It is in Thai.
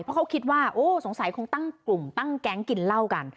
เพราะเขาคิดว่าโอ้สงสัยคงตั้งกลุ่มตั้งแก๊งกินเหล้ากัน